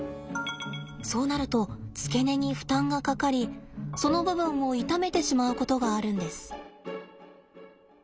そうなると付け根に負担がかかりその部分を痛めてしまうことがあるんです。